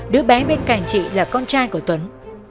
đứa bé bên cạnh chị là con trai của tuấn